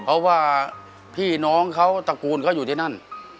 เพราะว่าพี่น้องเขาตระกูลเขาอยู่ที่นั่น